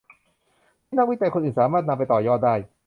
ที่นักวิจัยคนอื่นสามารถนำไปต่อยอดได้